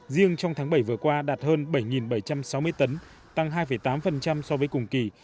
riêng trong tháng bảy vừa qua đạt hơn bảy bảy trăm sáu mươi tấn tăng hai tám so với cùng kỳ